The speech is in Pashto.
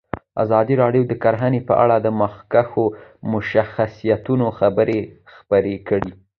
ازادي راډیو د کرهنه په اړه د مخکښو شخصیتونو خبرې خپرې کړي.